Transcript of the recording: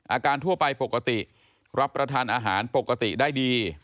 ทั่วไปปกติรับประทานอาหารปกติได้ดี